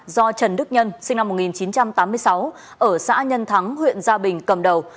do trần đức nhân sinh năm một nghìn chín trăm tám mươi sáu ở xã nhân thắng huyện gia bình cầm đầu